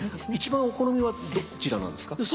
一番お好みはどちらなんですか？